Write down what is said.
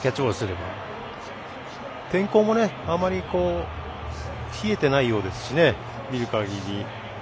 天候もあまり冷えてないですしね見るかぎり。